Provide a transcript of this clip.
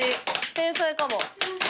天才かも。